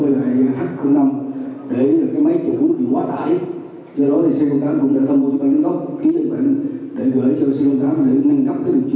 ký dịch bệnh để gửi cho c tám